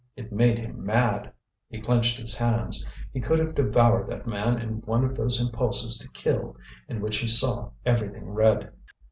It made him mad! he clenched his hands, he could have devoured that man in one of those impulses to kill in which he saw everything red.